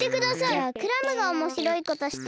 じゃあクラムがおもしろいことしてよ。